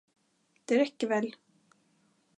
Det räcker väl?